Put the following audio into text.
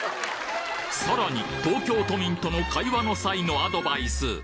さらに、東京都民との会話の際のアドバイス。